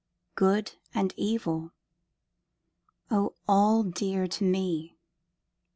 Good and evil! O all dear to me!